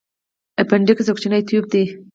اپنډکس یو کوچنی تیوب دی.